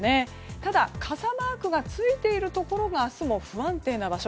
ただ、傘マークがついているところが明日も不安定な場所。